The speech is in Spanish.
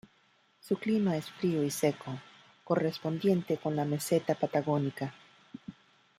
Su clima es frío y seco, correspondiente con la meseta patagónica.